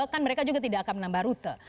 kan mereka juga tidak akan menambah rute